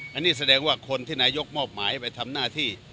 อันนี้แสดงว่าคนที่นายกมอบหมายไปทำหน้าที่